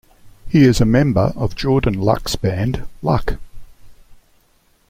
He is a member of Jordan Luck's band Luck.